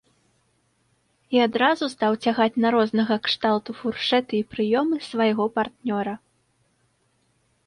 І адразу стаў цягаць на рознага кшталту фуршэты і прыёмы свайго партнёра.